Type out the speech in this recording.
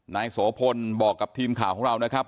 นายโสพลบอกกับทีมข่าวของเรานะครับ